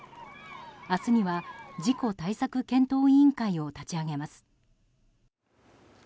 明日には事故対策検討委員会を立ち上げます。